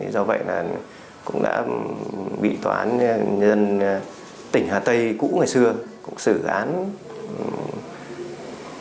do vậy là cũng đã bị tòa án dân tỉnh hà tây cũ ngày xưa cũng xử án hai mươi năm tù